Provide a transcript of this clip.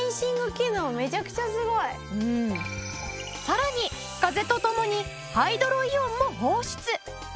さらに風と共にハイドロイオンも放出。